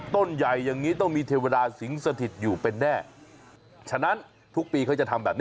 ต้นใหญ่อย่างนี้ต้องมีเทวดาสิงห์สถิตย์อยู่เป็นแน่